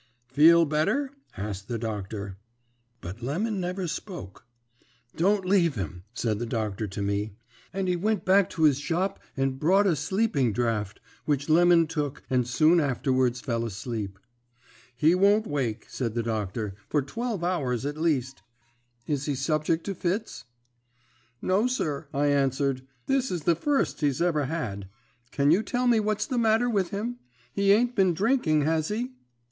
"'Feel better?' asked the doctor. "But Lemon never spoke. "'Don't leave him,' said the doctor to me, and he went back to his shop and brought a sleeping draught, which Lemon took, and soon afterwards fell asleep. "'He won't wake,' said the doctor, 'for twelve hours at least. Is he subject to fits?' "'No, sir,' I answered; 'this is the first he's ever had. Can you tell me what's the matter with him? He ain't been drinking, has he?'